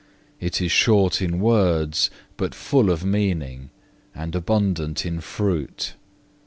It is short in words but full of meaning, and abundant in fruit.